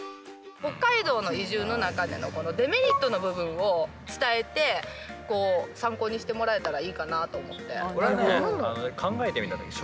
北海道の移住の中でのこのデメリットの部分を伝えて参考にしてもらえたらいいかなと思って。